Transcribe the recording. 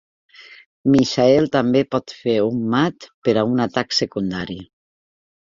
Michael també pot fer un mat per a un atac secundari.